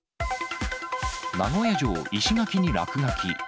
名古屋城、石垣に落書き。